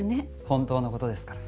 本当のことですから。